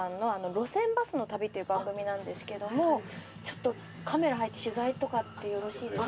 路線バスの旅という番組なんですけどもちょっとカメラ入って取材とかってよろしいですか？